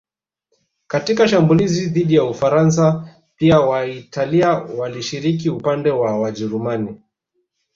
Katika shambulizi dhidi ya Ufaransa pia Waitalia walishiriki upande wa Wajerumani